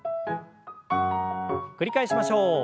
繰り返しましょう。